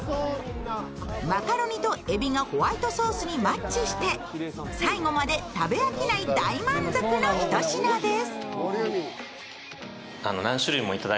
マカロニとえびがホワイトソースにマッチして最後まで食べ飽きない大満足の一品です。